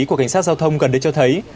của cảnh sát giao thông gần đây cho thấy